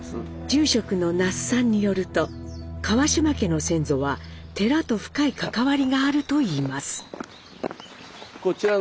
住職の那須さんによると川島家の先祖は寺と深い関わりがあるといいます。